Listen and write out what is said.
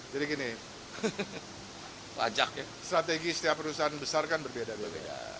jadi gini strategi setiap perusahaan besar kan berbeda beda